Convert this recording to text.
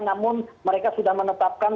namun mereka sudah menetapkan